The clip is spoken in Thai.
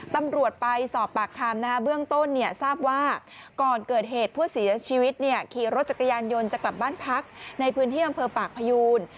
ตำรวจไปสอบปากคำเบื้องต้นทราบว่าก่อนเกิดเหตุผู้เสียชีวิตขี่รถจักรยานยนต์จะกลับบ้านพักในพื้นที่อำเภอปากพยูน